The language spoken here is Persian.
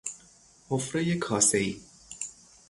حفرهی کاسهای